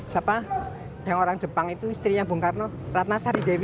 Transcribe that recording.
siapa yang orang jepang itu istrinya bung karno ratna sari dewi